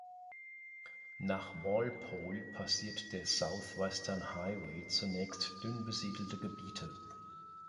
Nach Walpole passiert der South Western Highway zunächst dünn besiedelte Gebiete.